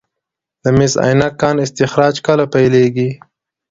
د مس عینک کان استخراج کله پیلیږي؟